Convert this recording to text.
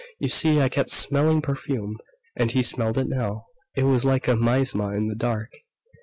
You see, I kept smelling perfume." And he smelled it now. It was like a miasma in the dark.